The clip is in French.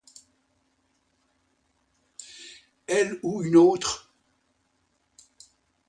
Elle ou une autre!